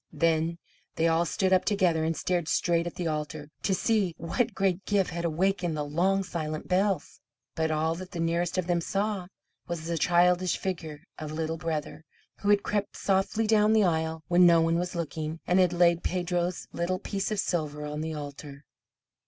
Then they all stood up together and stared straight at the altar, to see what great gift had awakened the long silent bells. But all that the nearest of them saw was the childish figure of Little Brother, who had crept softly down the aisle when no one was looking, and had laid Pedro's little piece of silver on the altar.